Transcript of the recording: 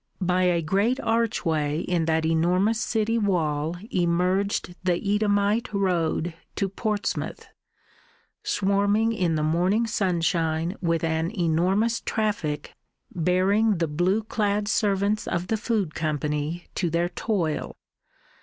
By a great archway in that enormous city wall emerged the Eadhamite road to Portsmouth, swarming in the morning sunshine with an enormous traffic bearing the blue clad servants of the Food Company to their toil.